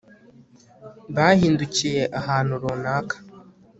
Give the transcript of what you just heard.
Bahindukiye ahantu runaka